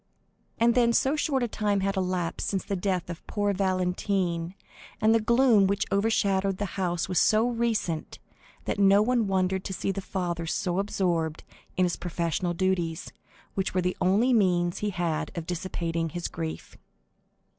And then so short a time had elapsed since the death of poor Valentine, and the gloom which overshadowed the house was so recent, that no one wondered to see the father so absorbed in his professional duties, which were the only means he had of dissipating his grief.